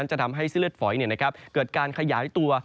จะทำให้เส้นเลือดฝอยเกิดการขยายตัว